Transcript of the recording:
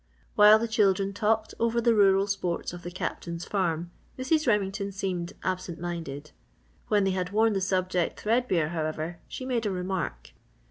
'" While the children talked over the rural sports of the Captain's farm Mrs. Remington seemed absent minded. When they had worn the subject threadbare however, she made a remark.